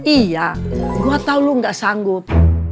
iya gua tau lu gak sanggup